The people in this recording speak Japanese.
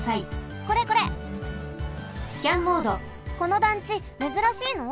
この団地めずらしいの？